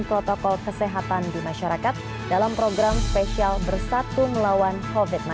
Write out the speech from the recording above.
protokol kesehatan di masyarakat dalam program spesial bersatu melawan kofit naik